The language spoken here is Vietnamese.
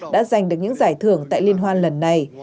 đã giành được những giải thưởng tại liên hoan lần này